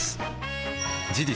事実